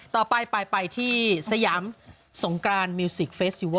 ต่อไปไปที่สยามสงกรานมิวสิกเฟสติวั